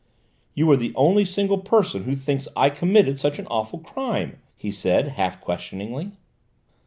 "You are the only single person who thinks I committed such an awful crime!" he said, half questioningly.